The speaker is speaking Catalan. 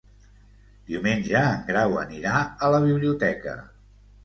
Diumenge en Grau anirà a la biblioteca.